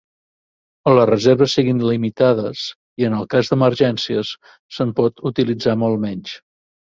On les reserves siguin limitades, i en el cas d'emergències, se'n pot utilitzar molt menys.